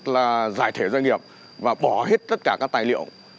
là giải thể doanh nghiệp và bỏ hết tất cả các tài liệu